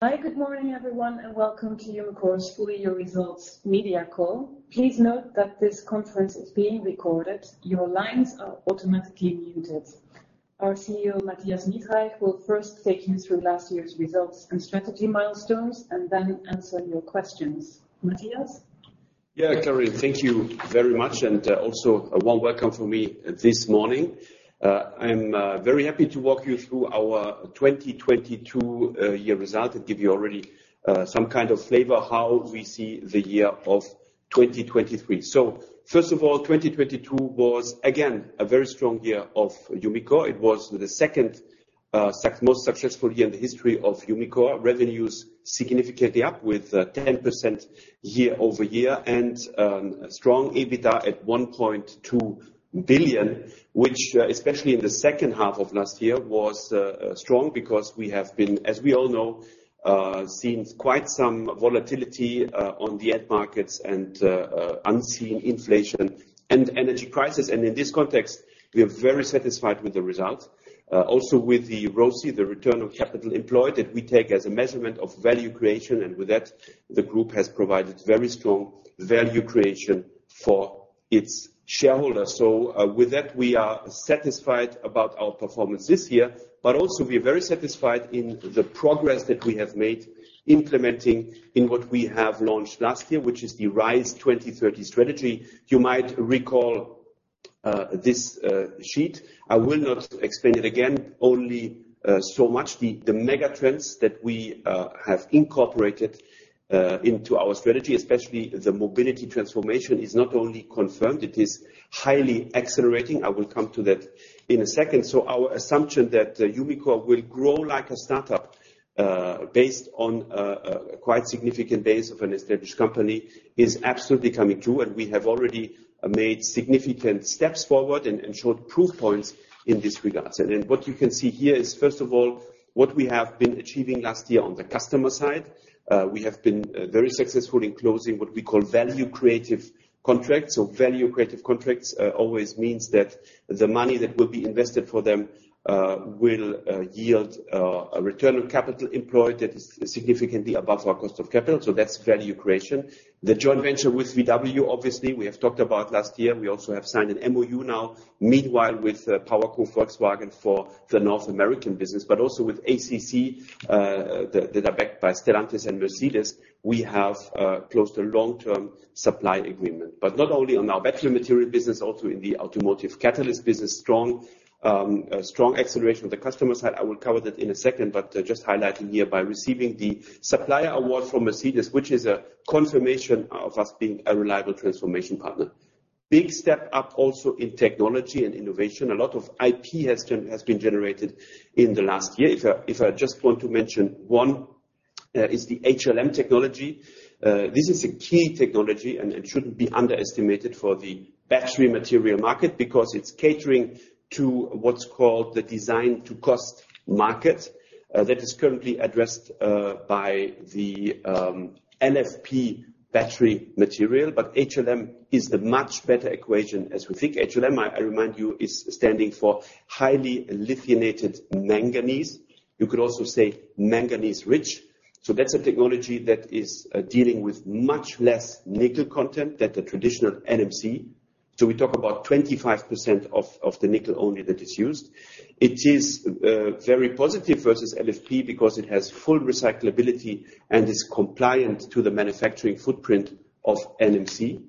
Hi, good morning, everyone, and welcome to Umicore's full-year results media call. Please note that this conference is being recorded. Your lines are automatically muted. Our CEO, Mathias Miedreich, will first take you through last year's results and strategy milestones and then answer your questions. Mathias? Yeah, Clarice, thank you very much. Also a warm welcome from me this morning. I'm very happy to walk you through our 2022 year result and give you already some kind of flavor how we see the year of 2023. First of all, 2022 was again a very strong year of Umicore. It was the second most successful year in the history of Umicore. Revenues significantly up with 10% year-over-year and strong EBITDA at 1.2 billion, which especially in the second half of last year was strong because we have been, as we all know, seen quite some volatility on the end markets and unseen inflation and energy prices. In this context, we are very satisfied with the results. Also with the ROCE, the return of capital employed, that we take as a measurement of value creation, with that the group has provided very strong value creation for its shareholders. With that we are satisfied about our performance this year. Also we are very satisfied in the progress that we have made implementing in what we have launched last year, which is the 2030 RISE strategy. You might recall this sheet. I will not explain it again, only so much. The mega trends that we have incorporated into our strategy, especially the mobility transformation, is not only confirmed, it is highly accelerating. I will come to that in a second. Our assumption that Umicore will grow like a startup, based on quite significant base of an established company is absolutely coming true, and we have already made significant steps forward and showed proof points in this regards. What you can see here is, first of all, what we have been achieving last year on the customer side. We have been very successful in closing what we call value creative contracts. Value creative contracts always means that the money that will be invested for them will yield a return on capital employed that is significantly above our cost of capital. So that's value creation. The joint venture with VW, obviously we have talked about last year. We also have signed an MOU now meanwhile with PowerCo Volkswagen for the North American business, but also with ACC, that are backed by Stellantis and Mercedes, we have closed a long-term supply agreement. Not only on our battery material business, also in the automotive catalyst business, strong acceleration on the customer side. I will cover that in a second, just highlighting here by receiving the supplier award from Mercedes, which is a confirmation of us being a reliable transformation partner. Big step up also in technology and innovation. A lot of IP has been generated in the last year. If I just want to mention 1, is the HLM technology. This is a key technology and it shouldn't be underestimated for the battery material market because it's catering to what's called the design to cost market that is currently addressed by the LFP battery material. HLM is a much better equation as we think. HLM, I remind you, is standing for Highly Lithiated Manganese. You could also say manganese rich. That's a technology that is dealing with much less nickel content than the traditional NMC. We talk about 25% of the nickel only that is used. It is very positive versus LFP because it has full recyclability and is compliant to the manufacturing footprint of NMC.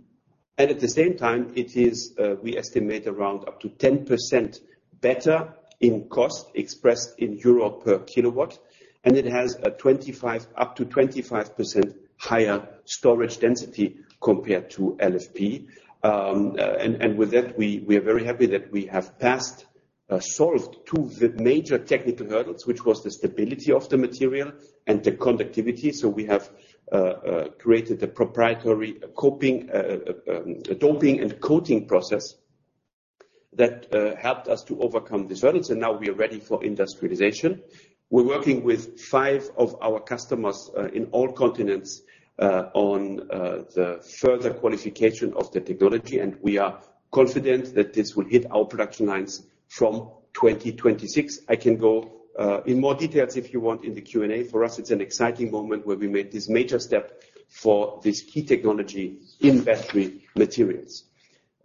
At the same time it is, we estimate around up to 10% better in cost expressed in EUR per kilowatt, and it has a 25... up to 25% higher storage density compared to LFP. With that we are very happy that we have solved two of the major technical hurdles, which was the stability of the material and the conductivity. We have created a proprietary coping, doping and coating process that helped us to overcome this challenge, and now we are ready for industrialization. We're working with five of our customers in all continents on the further qualification of the technology, and we are confident that this will hit our production lines from 2026. I can go in more details if you want in the Q&A. For us it's an exciting moment where we made this major step for this key technology in battery materials.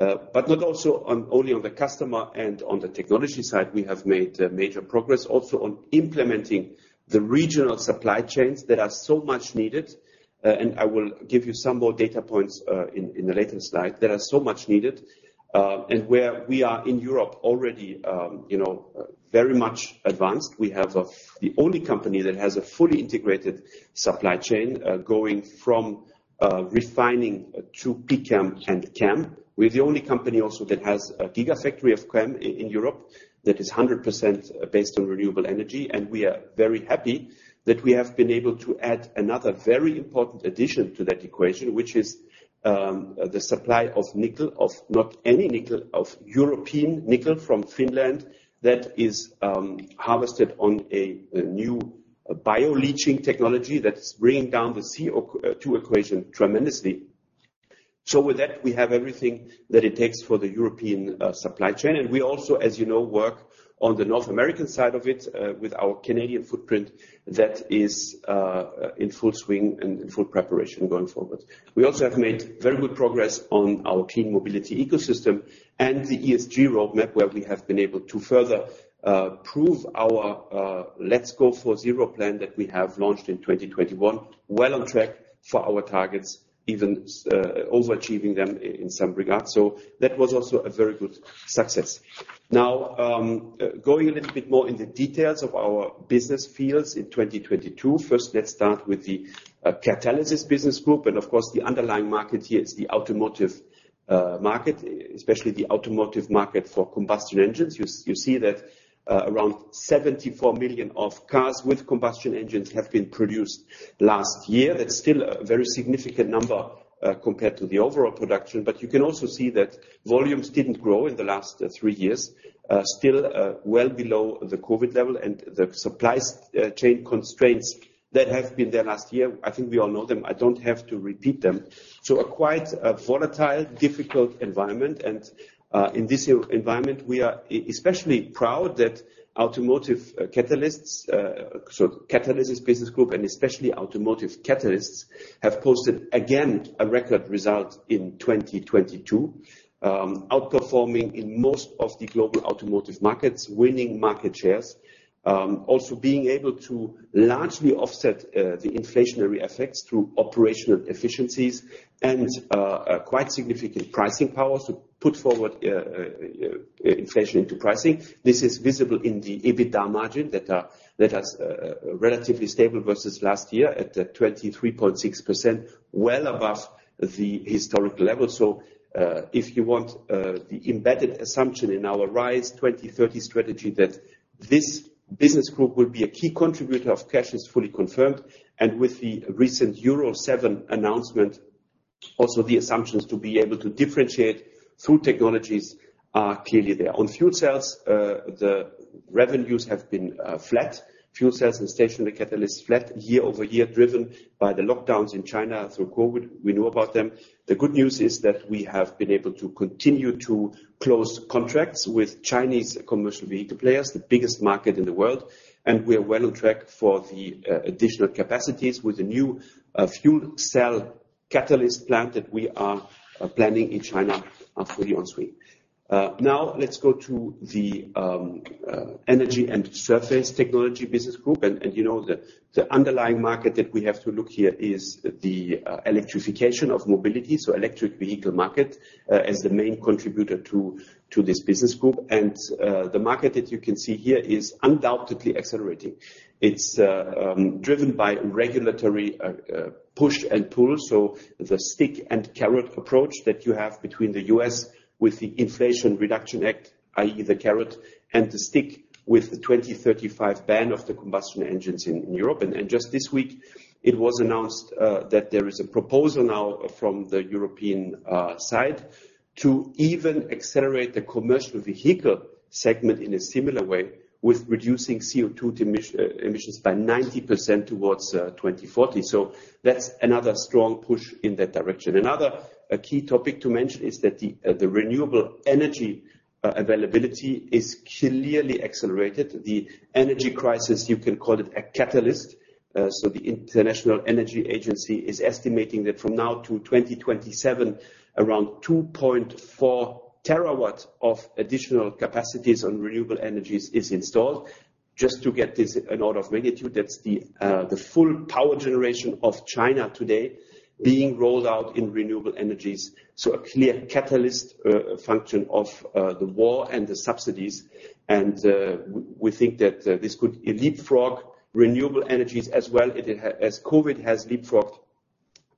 Not also on, only on the customer and on the technology side. We have made major progress also on implementing the regional supply chains that are so much needed. I will give you some more data points in the later slide, that are so much needed, and where we are in Europe already, you know, very much advanced. We have the only company that has a fully integrated supply chain, going from refining to PCAM and CAM. We're the only company also that has a gigafactory of CAM in Europe that is 100% based on renewable energy. We are very happy that we have been able to add another very important addition to that equation, which is, the supply of nickel, of not any nickel, of European nickel from Finland that is, harvested on a new bioleaching technology that's bringing down the CO2 equation tremendously. With that, we have everything that it takes for the European supply chain. We also, as you know, work on the North American side of it, with our Canadian footprint that is, in full swing and in full preparation going forward. We also have made very good progress on our clean mobility ecosystem and the ESG roadmap, where we have been able to further prove our Let's Go for Zero plan that we have launched in 2021. Well on track for our targets, even overachieving them in some regards. That was also a very good success. Now, going a little bit more in the details of our business fields in 2022. First, let's start with the catalysis business group. Of course, the underlying market here is the automotive market, especially the automotive market for combustion engines. You see that around 74 million of cars with combustion engines have been produced last year. That's still a very significant number compared to the overall production. You can also see that volumes didn't grow in the last three years, still well below the COVID level and the supplies chain constraints that have been there last year. I think we all know them. I don't have to repeat them. A quite volatile, difficult environment. In this environment, we are especially proud that automotive catalysts, so catalysis business group, and especially automotive catalysts, have posted again a record result in 2022, outperforming in most of the global automotive markets, winning market shares, also being able to largely offset the inflationary effects through operational efficiencies and a quite significant pricing power. Put forward inflation into pricing. This is visible in the EBITDA margin that has relatively stable versus last year at 23.6%, well above the historic level. If you want, the embedded assumption in our 2030 RISE strategy that this business group will be a key contributor of cash is fully confirmed, and with the recent Euro 7 announcement, also the assumptions to be able to differentiate through technologies are clearly there. On fuel cells, the revenues have been flat. Fuel cells and stationary catalysts flat year-over-year, driven by the lockdowns in China through COVID. We know about them. The good news is that we have been able to continue to close contracts with Chinese commercial vehicle players, the biggest market in the world. We are well on track for the additional capacities with the new fuel cell catalyst plant that we are planning in China are fully on suite. Now let's go to the E&ST business group. you know the underlying market that we have to look here is the electrification of mobility, so electric vehicle market as the main contributor to this business group. The market that you can see here is undoubtedly accelerating. It's driven by regulatory push and pull. The stick and carrot approach that you have between the U.S. with the Inflation Reduction Act, i.e. the carrot, and the stick with the 2035 ban of the combustion engines in Europe. just this week it was announced that there is a proposal now from the European side to even accelerate the commercial vehicle segment in a similar way with reducing CO2 emissions by 90% towards 2040. That's another strong push in that direction. Another key topic to mention is that the renewable energy availability is clearly accelerated. The energy crisis, you can call it a catalyst. The International Energy Agency is estimating that from now to 2027, around 2.4 terawatts of additional capacities on renewable energies is installed. Just to get this an order of magnitude, that's the full power generation of China today being rolled out in renewable energies. A clear catalyst function of the war and the subsidies. We think that this could leapfrog renewable energies as well as COVID has leapfrogged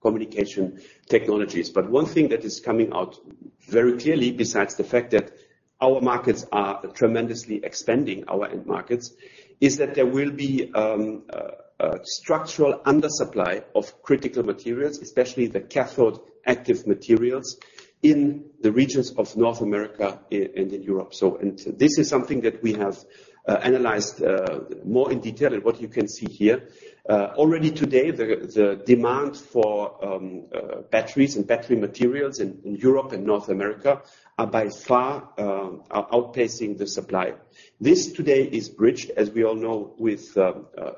communication technologies. One thing that is coming out very clearly, besides the fact that our markets are tremendously expanding our end markets, is that there will be structural undersupply of critical materials, especially the cathode active materials in the regions of North America and in Europe. This is something that we have analyzed more in detail in what you can see here. Already today, the demand for batteries and battery materials in Europe and North America are by far outpacing the supply. This today is bridged, as we all know, with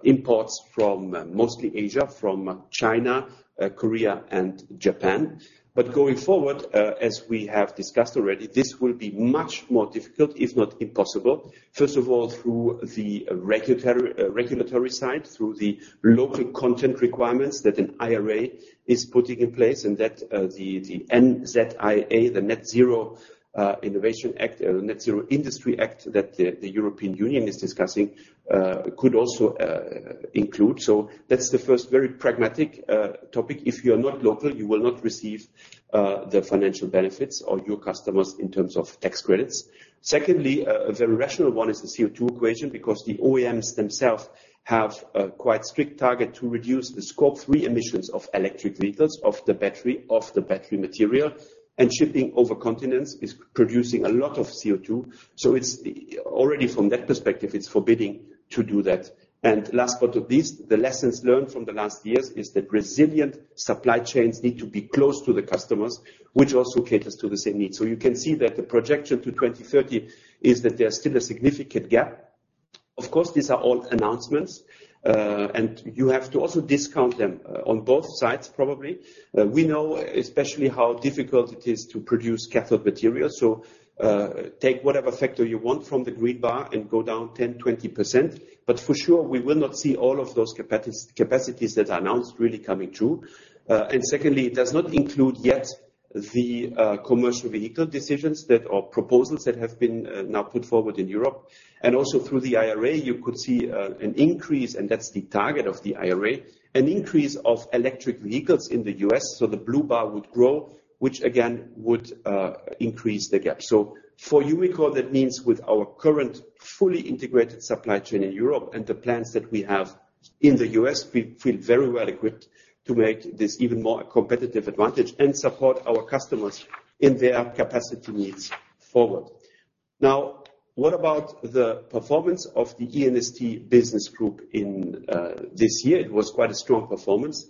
imports from mostly Asia, from China, Korea and Japan. Going forward, as we have discussed already, this will be much more difficult, if not impossible. First of all, through the regulatory side, through the local content requirements that an IRA is putting in place, that the NZIA, the Net Zero Industry Act that the European Union is discussing, could also include. That's the first very pragmatic topic. If you are not local, you will not receive the financial benefits or your customers in terms of tax credits. Secondly, a very rational one is the CO2 equation, because the OEMs themselves have a quite strict target to reduce the Scope 3 emissions of electric vehicles of the battery material. Shipping over continents is producing a lot of CO2, so it's already from that perspective, it's forbidding to do that. Last but not least, the lessons learned from the last years is that resilient supply chains need to be close to the customers, which also caters to the same needs. You can see that the projection to 2030 is that there's still a significant gap. Of course, these are all announcements, and you have to also discount them on both sides, probably. We know especially how difficult it is to produce cathode material. Take whatever factor you want from the green bar and go down 10%, 20%. For sure, we will not see all of those capacities that are announced really coming true. Secondly, it does not include yet the commercial vehicle decisions or proposals that have been now put forward in Europe. Also through the IRA, you could see an increase, and that's the target of the IRA, an increase of electric vehicles in the US. The blue bar would grow, which again would increase the gap. For Umicore, that means with our current fully integrated supply chain in Europe and the plans that we have in the US, we feel very well equipped to make this even more a competitive advantage and support our customers in their capacity needs forward. What about the performance of the E&ST business group in this year? It was quite a strong performance.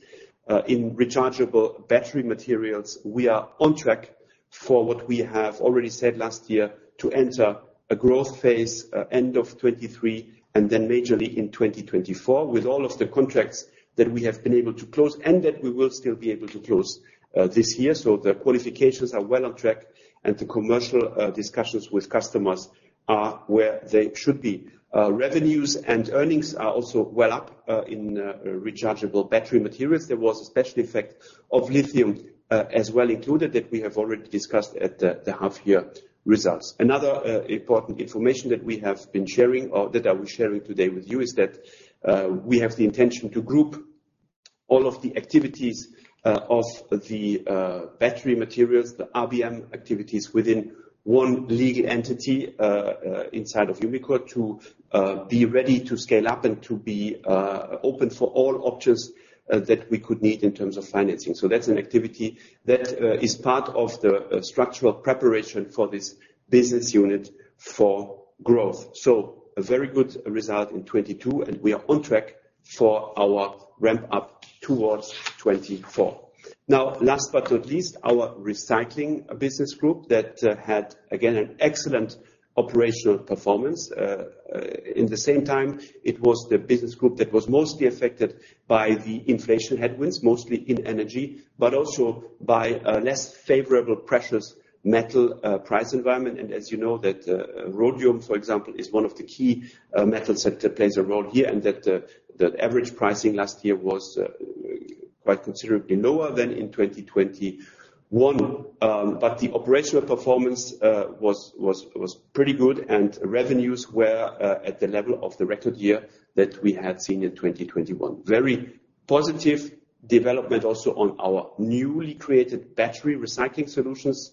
In rechargeable battery materials, we are on track for what we have already said last year to enter a growth phase, end of 2023 and then majorly in 2024, with all of the contracts that we have been able to close and that we will still be able to close, this year. The qualifications are well on track, and the commercial discussions with customers are where they should be. Revenues and earnings are also well up in rechargeable battery materials. There was a special effect of lithium as well included that we have already discussed at the half-year results. Another important information that we have been sharing, or that I will share today with you, is that we have the intention to group all of the activities of the battery materials, the RBM activities, within one legal entity inside of Umicore to be ready to scale up and to be open for all options that we could need in terms of financing. That's an activity that is part of the structural preparation for this business unit for growth. A very good result in 2022, and we are on track for our ramp up towards 2024. Last but not least, our recycling business group that had, again, an excellent operational performance. In the same time, it was the business group that was mostly affected by the inflation headwinds, mostly in energy, but also by a less favorable precious metal price environment. As you know that, rhodium, for example, is one of the key metals that plays a role here, and that the average pricing last year was quite considerably lower than in 2021. The operational performance was pretty good, and revenues were at the level of the record year that we had seen in 2021. Very positive development also on our newly created Battery Recycling Solutions business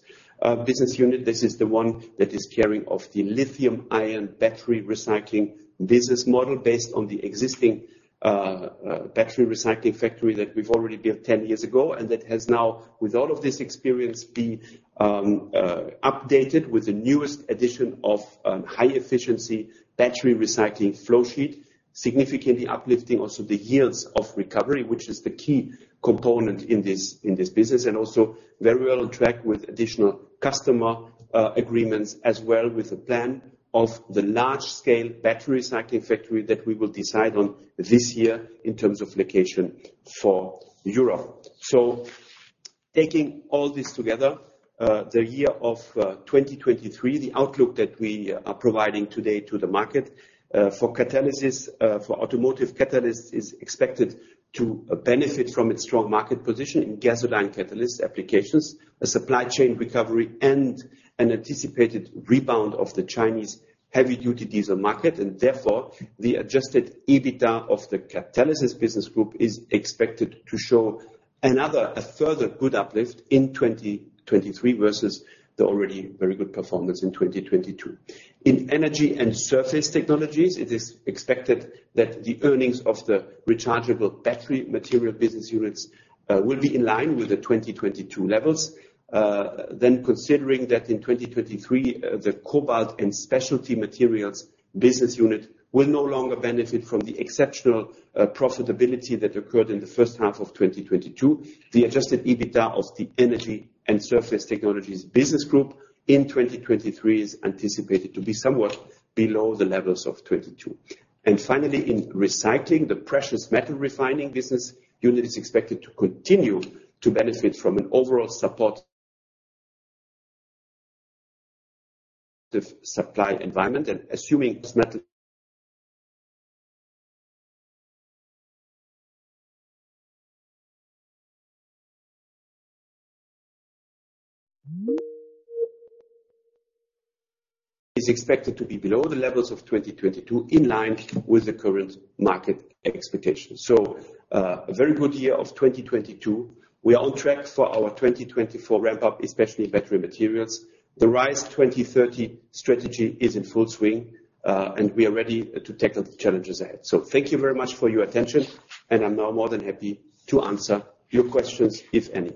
unit. This is the one that is carrying of the lithium-ion battery recycling business model based on the existing battery recycling factory that we've already built 10 years ago and that has now, with all of this experience, been updated with the newest addition of high efficiency battery recycling flow sheet, significantly uplifting also the yields of recovery, which is the key component in this, in this business, and also very well on track with additional customer agreements as well with the plan of the large scale battery recycling factory that we will decide on this year in terms of location for Europe. Taking all this together, the year of 2023, the outlook that we are providing today to the market for Catalysis, for automotive catalysts, is expected to benefit from its strong market position in gasoline catalyst applications, a supply chain recovery and an anticipated rebound of the Chinese heavy duty diesel market and therefore, the adjusted EBITDA of the Catalysis business group is expected to show a further good uplift in 2023 versus the already very good performance in 2022. In Energy & Surface Technologies, it is expected that the earnings of the rechargeable battery material business units will be in line with the 2022 levels. Considering that in 2023, the Cobalt & Specialty Materials business unit will no longer benefit from the exceptional profitability that occurred in the first half of 2022. The adjusted EBITDA of the Energy & Surface Technologies business group in 2023 is anticipated to be somewhat below the levels of 2022. Finally, in recycling, the Precious Metal Refining business unit is expected to continue to benefit from an overall supply environment and assuming this metal is expected to be below the levels of 2022, in line with the current market expectations. A very good year of 2022. We are on track for our 2024 ramp up, especially battery materials. The 2030 RISE strategy is in full swing, and we are ready to tackle the challenges ahead. Thank you very much for your attention, and I'm now more than happy to answer your questions, if any.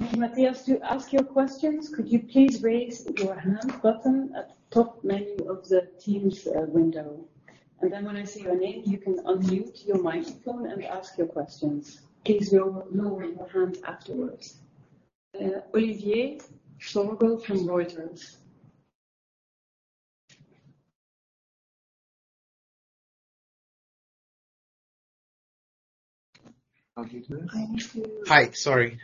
Hi Mathias. To ask your questions, could you please raise your hand button at the top menu of the team's window, then when I see your name, you can unmute your microphone and ask your questions. Please lower your hand afterwards. Olivier Sorgho from Reuters. Hi. Sorry,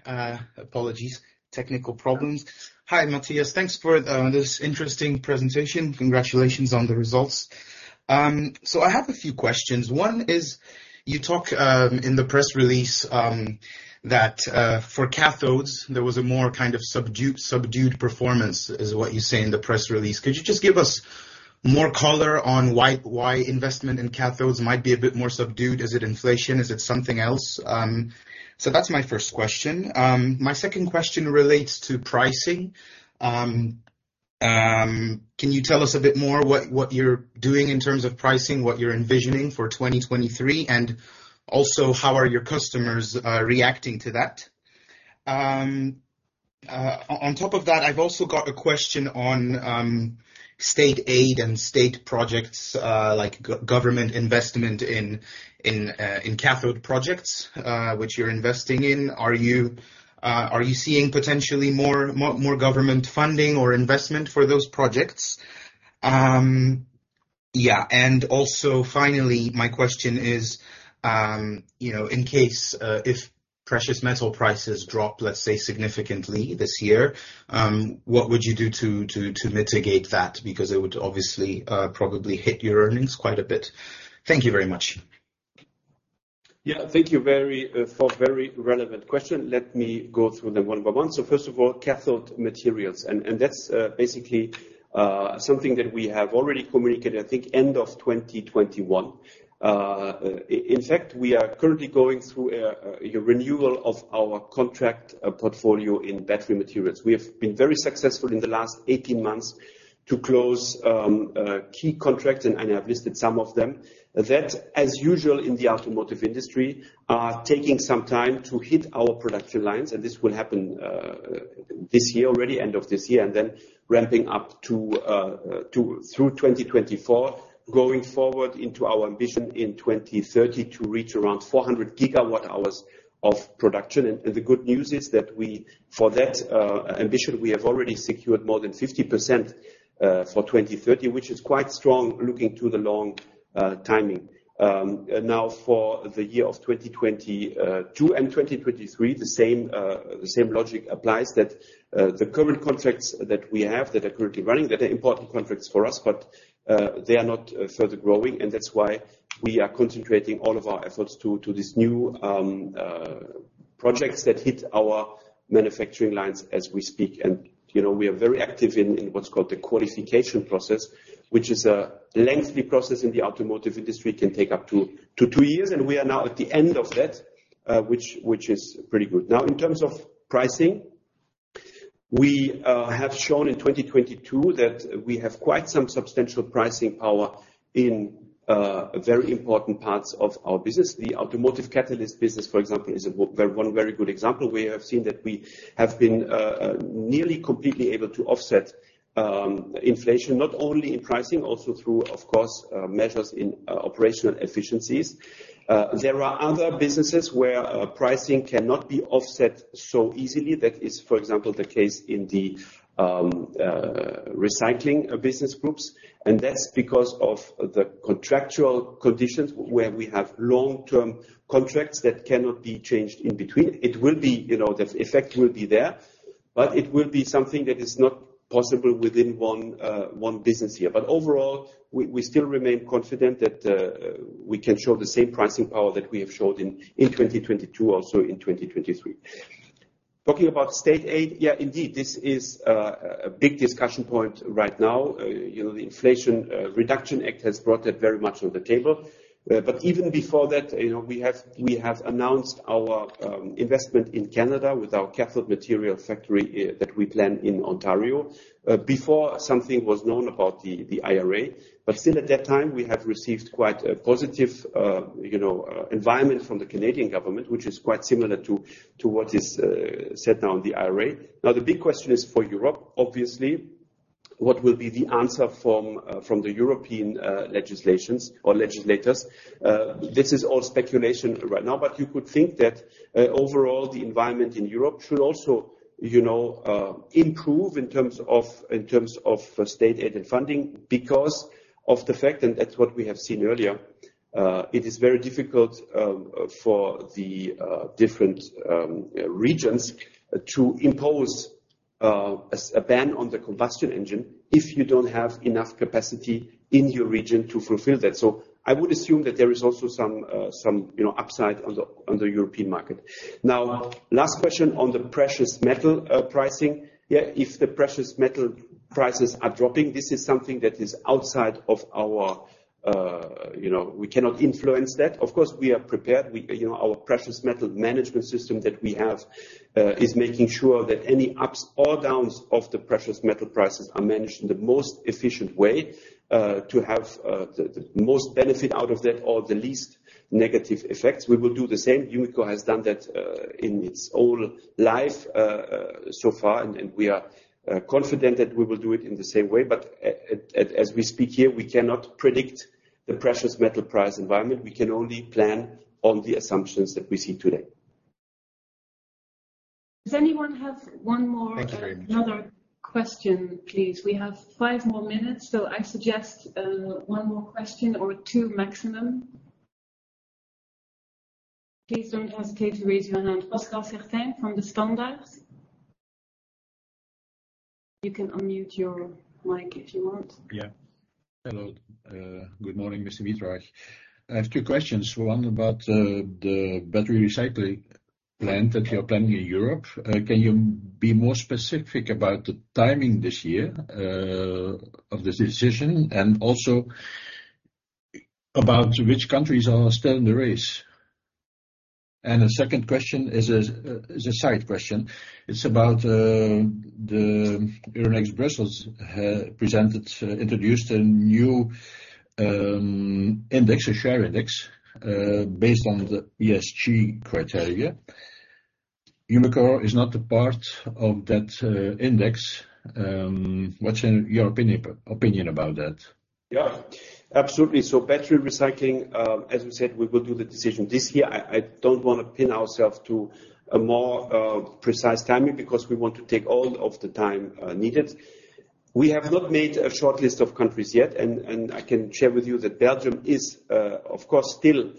apologies. Technical problems. Hi, Matthias. Thanks for this interesting presentation. Congratulations on the results. I have a few questions. 1 is, you talk in the press release that for cathodes, there was a more kind of subdued performance, is what you say in the press release. Could you just give us more color on why investment in cathodes might be a bit more subdued? Is it inflation? Is it something else? That's my first question. My second question relates to pricing. Can you tell us a bit more what you're doing in terms of pricing, what you're envisioning for 2023, and also how are your customers reacting to that? On top of that, I've also got a question on state aid and state projects, like government investment in cathode projects, which you're investing in. Are you seeing potentially more government funding or investment for those projects? Yeah. Finally, my question is, you know, in case, if precious metal prices drop, let's say, significantly this year, what would you do to mitigate that? Because it would obviously probably hit your earnings quite a bit. Thank you very much. Yeah. Thank you very for very relevant question. Let me go through them one by one. First of all, cathode materials, that's basically something that we have already communicated, I think end of 2021. In fact, we are currently going through a renewal of our contract portfolio in battery materials. We have been very successful in the last 18 months to close key contracts, and I have listed some of them. That, as usual in the automotive industry, are taking some time to hit our production lines, and this will happen this year already, end of this year, and then ramping up through 2024, going forward into our ambition in 2030 to reach around 400 gigawatt hours of production. The good news is that we, for that ambition, we have already secured more than 50% for 2030, which is quite strong looking to the long timing. Now for the year of 2022 and 2023, the same logic applies that the current contracts that we have that are currently running, that are important contracts for us, but they are not further growing, and that's why we are concentrating all of our efforts to this new projects that hit our manufacturing lines as we speak. You know, we are very active in what's called the qualification process, which is a lengthy process in the automotive industry, can take up to 2 years, and we are now at the end of that, which is pretty good. In terms of pricing, we have shown in 2022 that we have quite some substantial pricing power in very important parts of our business. The automotive catalyst business, for example, is one very good example, where we have seen that we have been nearly completely able to offset inflation, not only in pricing, also through, of course, measures in operational efficiencies. There are other businesses where pricing cannot be offset so easily. That is, for example, the case in the recycling business groups, that's because of the contractual conditions where we have long-term contracts that cannot be changed in between. You know, the effect will be there, it will be something that is not possible within one business year. Overall, we still remain confident that we can show the same pricing power that we have showed in 2022, also in 2023. Talking about state aid, yeah, indeed, this is a big discussion point right now. You know, the Inflation Reduction Act has brought that very much on the table. Even before that, you know, we have announced our investment in Canada with our cathode material factory that we plan in Ontario before something was known about the IRA. Still at that time, we have received quite a positive, you know, environment from the Canadian government, which is quite similar to what is set now in the IRA. The big question is for Europe, obviously, what will be the answer from the European legislations or legislators? This is all speculation right now, but you could think that overall, the environment in Europe should also, you know, improve in terms of state aid and funding because of the fact, and that's what we have seen earlier, it is very difficult for the different regions to impose a ban on the combustion engine if you don't have enough capacity in your region to fulfill that. I would assume that there is also some, you know, upside on the European market. Last question on the precious metal pricing. If the precious metal prices are dropping, this is something that is outside of our, you know, we cannot influence that. Of course, we are prepared. You know, our precious metal management system that we have is making sure that any ups or downs of the precious metal prices are managed in the most efficient way to have the most benefit out of that or the least negative effects. We will do the same. Umicore has done that in its whole life so far, and we are confident that we will do it in the same way. As we speak here, we cannot predict the precious metal price environment. We can only plan on the assumptions that we see today. Does anyone have one more? Thanks very much. Another question, please? We have five more minutes, so I suggest one more question or two maximum. Please don't hesitate to raise your hand. Pascal Sertyn from De Standaard. You can unmute your mic if you want. Yeah. Hello. Good morning, Mr. Miedreich. I have two questions. One about the battery recycling plant that you're planning in Europe. Can you be more specific about the timing this year of this decision? Also about which countries are still in the race. The second question is a side question. It's about the Euronext Brussels introduced a new index, a share index, based on the ESG criteria. Umicore is not a part of that index. What's in your opinion about that? Absolutely. Battery recycling, as we said, we will do the decision this year. I don't want to pin ourselves to a more precise timing because we want to take all of the time needed. We have not made a shortlist of countries yet, I can share with you that Belgium is, of course, still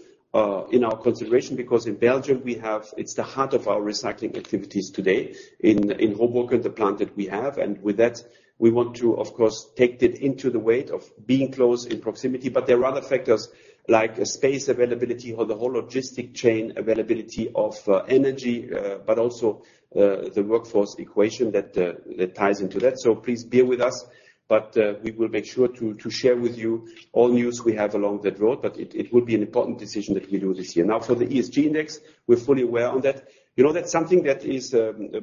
in our consideration because in Belgium we have. It's the heart of our recycling activities today in Hoboken, the plant that we have. With that we want to, of course, take that into the weight of being close in proximity. There are other factors like space availability or the whole logistic chain, availability of energy, but also the workforce equation that ties into that. Please bear with us, we will make sure to share with you all news we have along that road. It will be an important decision that we do this year. For the ESG index, we're fully aware on that. You know, that's something that is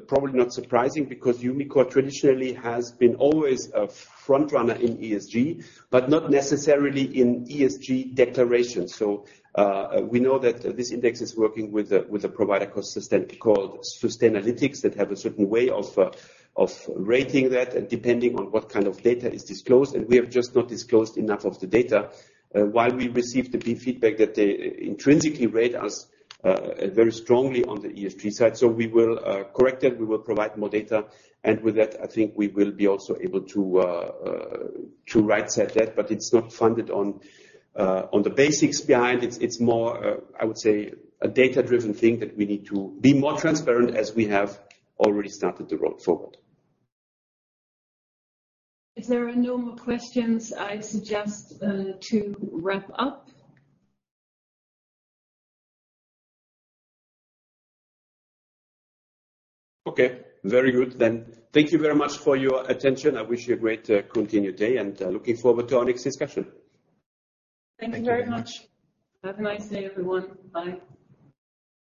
probably not surprising because Umicore traditionally has been always a frontrunner in ESG, but not necessarily in ESG declarations. We know that this index is working with a provider consistent called Sustainalytics that have a certain way of rating that depending on what kind of data is disclosed, and we have just not disclosed enough of the data. While we received the feedback that they intrinsically rate us very strongly on the ESG side. We will correct that. We will provide more data. With that, I think we will be also able to to right-size that. It's not funded on on the basics behind. It's more I would say a data-driven thing that we need to be more transparent as we have already started the road forward. If there are no more questions, I suggest to wrap up. Very good. Thank you very much for your attention. I wish you a great continued day and looking forward to our next discussion. Thank you very much. Have a nice day everyone. Bye.